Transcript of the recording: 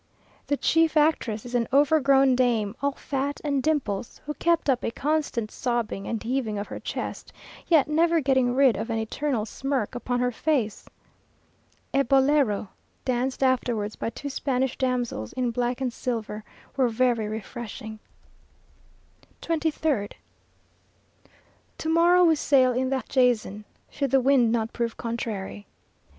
The chief actress is an overgrown dame, all fat and dimples, who kept up a constant sobbing and heaving of her chest, yet never getting rid of an eternal smirk upon her face. A bolero, danced afterwards by two Spanish damsels in black and silver, was very refreshing. 23rd. To morrow we sail in the Jason, should the wind not prove contrary.